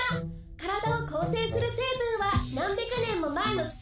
体を構成する成分は何百年も前の土。